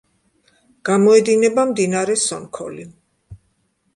გამოედინება მდინარე სონქოლი.